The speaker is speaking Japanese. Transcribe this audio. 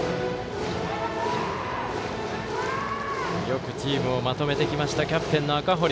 よくチームをまとめてきましたキャプテンの赤堀。